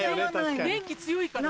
電気強いから。